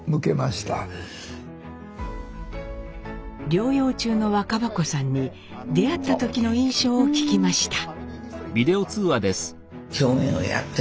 療養中の若葉子さんに出会った時の印象を聞きました。